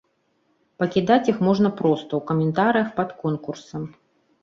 Пакідаць іх можна проста ў каментарыях пад конкурсам.